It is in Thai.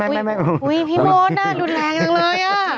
อุ้ยพี่โบ๊ทอ่ะดุนแรงจังเลยอ่ะ